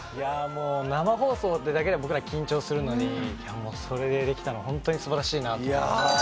生放送ってだけで僕ら緊張するのにそれでできたのは本当にすばらしいなって。